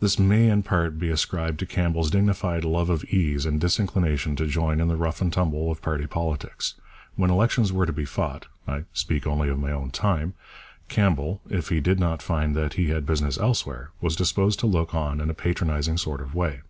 This may in part be ascribed to Campbell's dignified love of ease and disinclination to join in the rough and tumble of party politics. When elections were to be fought (I speak only of my own time) Campbell, if he did not find that he had business elsewhere, was disposed to look on in a patronizing sort of way.